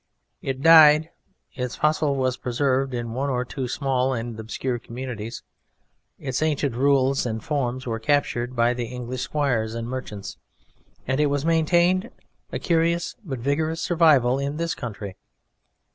It died, its fossil was preserved in one or two small and obscure communities, its ancient rules and form were captured by the English squires and merchants, and it was maintained, a curious but vigorous survival, in this country.